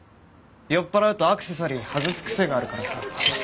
酔っ払うとアクセサリー外す癖があるからさ。